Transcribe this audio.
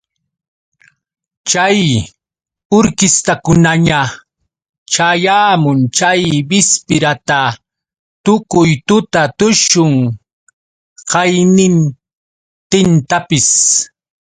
Chay urkistakunaña ćhayamun chay bispira ta tukuy tuta tushun qaynintintapis.